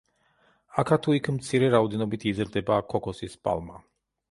აქა თუ იქ მცირე რაოდენობით იზრდება ქოქოსის პალმა.